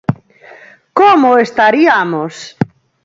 ¡Como estariamos!